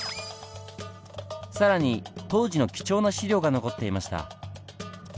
更に当時の貴重な史料が残っていました。